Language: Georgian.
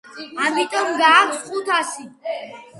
ამიტომ გვაქვს ხუთასი.